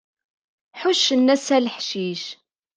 Ḥuccen ass-a leḥcic.